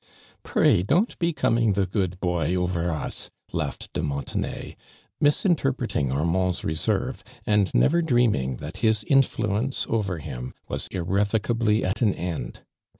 •• Pray, don't be coming the good boy over us!'' laughed de Montenay. misinter preting Arman<rs reserve, and never dream ing that his inHueiice over him was irrevo cably at an end.